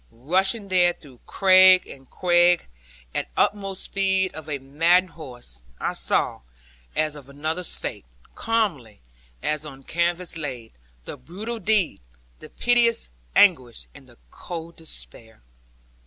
Rushing there through crag and quag, at utmost speed of a maddened horse, I saw, as of another's fate, calmly (as on canvas laid), the brutal deed, the piteous anguish, and the cold despair.